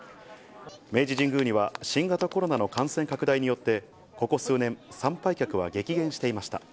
明治神宮には、新型コロナの感染拡大によって、ここ数年、参拝客は激減していました。